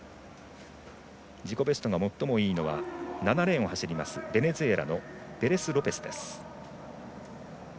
自己ベストが最もいいのは７レーンを走りますベネズエラのペレスロペスです。